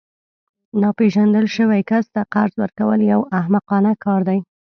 ناپیژندل شوي کس ته قرض ورکول یو احمقانه کار دی